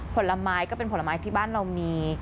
ผลไม้ก็เป็นผลไม้ที่บ้านเรามี